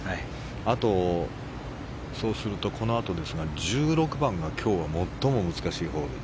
あと、そうするとこのあとですが１６番が今日最も難しいホール。